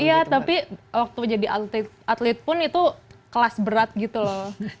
iya tapi waktu jadi atlet pun itu kelas berat gitu loh